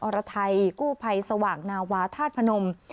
อรไทยกู้ภัยสว่างนาวาธาตุพนม